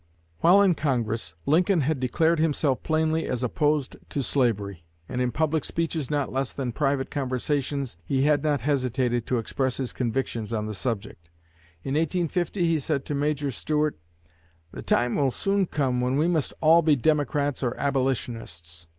While in Congress, Lincoln had declared himself plainly as opposed to slavery; and in public speeches not less than private conversations he had not hesitated to express his convictions on the subject. In 1850 he said to Major Stuart: "The time will soon come when we must all be Democrats or Abolitionists.